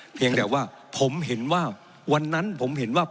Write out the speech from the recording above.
เพียงแต่ว่าผมเห็นว่าวันนั้นผมเห็นว่า